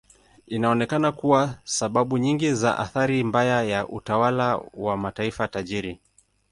Inaonekana kuwa kuna sababu nyingi za athari mbaya ya utawala wa mataifa tajiri.